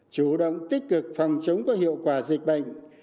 chủ động tích cực phòng chống có hiệu quả dịch bệnh